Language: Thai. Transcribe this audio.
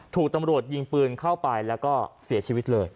ถูกตำรวจยิงปืนเข้าไปแล้วก็เสียชีวิตเลย